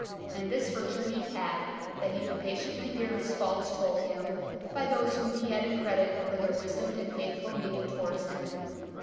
And this virtue he had, that he could patiently hear his faults told him by those whom he had in credit for their wisdom and faithful meaning towards him.